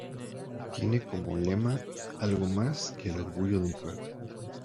Tiene como lema: "Algo más que el orgullo de un pueblo".